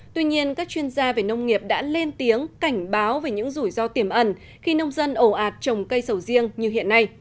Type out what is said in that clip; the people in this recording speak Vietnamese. tuy nhiên các chuyên gia về nông nghiệp đã lên tiếng cảnh báo về những rủi ro tiềm ẩn khi nông dân ổ ạt trồng cây sầu riêng như hiện nay